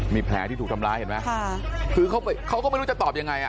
มีแผลที่ถูกทำร้ายเห็นไหมคือเขาเขาก็ไม่รู้จะตอบยังไงอ่ะ